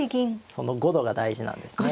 その５度が大事なんですね。